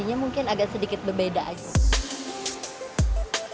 rasanya mungkin agak sedikit berbeda aja